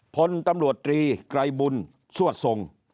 พลตำรวจตรีไกรบุญสวดทรง